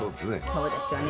そうですよね。